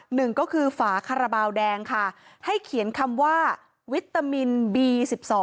หนึ่งก็คือฝาคาราบาลแดงค่ะให้เขียนคำว่าวิตามินบี๑๒